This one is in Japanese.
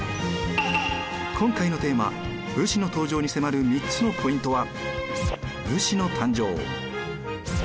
今回のテーマ「武士の登場」に迫る３つのポイントは。